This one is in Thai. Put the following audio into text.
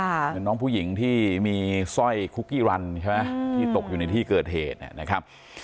เหมือนน้องผู้หญิงที่มีสร้อยคุกกี้รันใช่ไหมที่ตกอยู่ในที่เกิดเหตุนะครับ